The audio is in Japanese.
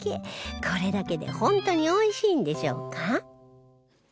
これだけで本当においしいんでしょうか？